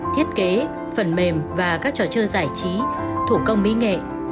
thiết kế phần mềm và các trò chơi giải trí thủ công mỹ nghệ